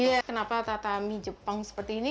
iya kenapa tatami jepang seperti ini